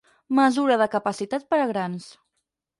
Mesura de capacitat per a grans.